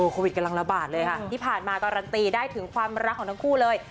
โควิดกำลังระบาดเลยค่ะที่ผ่านมาการันตีได้ถึงความรักของทั้งคู่เลย